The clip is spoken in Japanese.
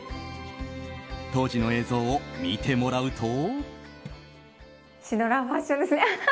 当時の映像を見てもらうと。